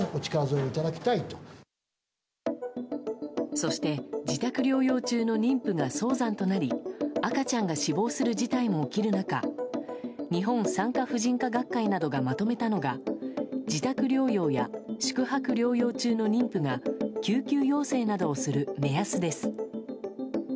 そして、自宅療養中の妊婦が早産となり赤ちゃんが死亡する事態も起きる中日本産科婦人科学会などがまとめたのが自宅療養や宿泊療養など救急要請などをする目安です。